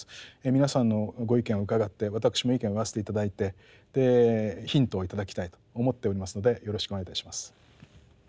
皆さんのご意見を伺って私も意見を言わせて頂いてヒントを頂きたいと思っておりますのでよろしくお願いいたします。